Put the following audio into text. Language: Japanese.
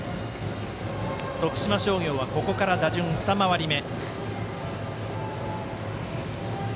徳島商業はここから打順２回り目。